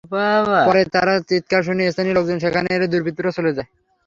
পরে তাঁর চিৎকার শুনে স্থানীয় লোকজন সেখানে এলে দুর্বৃত্তরা চলে যায়।